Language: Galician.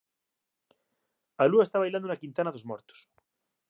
A lúa está bailando na Quintana dos Mortos